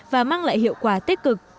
và mang lại hiệu quả tích cực